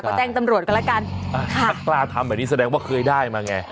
ก็แจ้งตำรวจกันแล้วกันอ่าถ้ากล้าทำแบบนี้แสดงว่าเคยได้มาไง